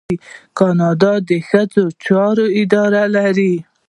کاناډا د ښځو چارو اداره لري.